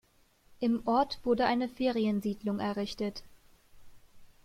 Im Ort wurde eine Feriensiedlung errichtet.